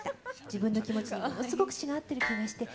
自分の気持ちにものすごく詩が合ってる気がして。